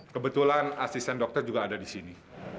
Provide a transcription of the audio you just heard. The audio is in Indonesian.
kebetulan asisten dokter juga ada di sini